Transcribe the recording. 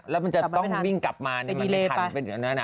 แล้วมันจะต้องวิ่งกลับมามันไม่ทัน